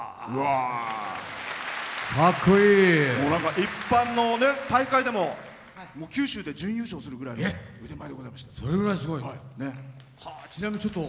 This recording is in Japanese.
一般の大会でも九州で準優勝するぐらいの腕前で。